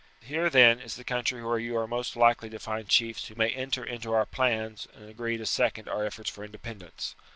Here, then, is the country where you are most likely to find chiefs who may enter into our plans, and agree to second our efforts for independence.